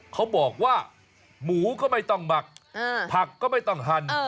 เขาบอกว่าหมูก็ไม่ต้องหมักผักก็ไม่ต้องหั่น